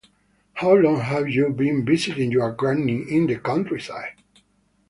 How long have you been visiting your granny in the countryside?